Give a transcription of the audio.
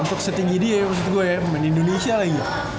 untuk setting ide maksud gue ya main indonesia lagi